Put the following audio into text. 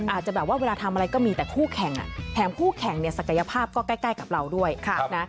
อาจจะแบบว่าเวลาทำอะไรก็มีแต่คู่แข่งแถมคู่แข่งเนี่ยศักยภาพก็ใกล้กับเราด้วยนะ